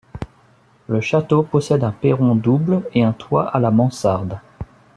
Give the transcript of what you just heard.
Le château possède un perron double et un toit à la mansarde.